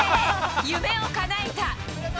夢をかなえた。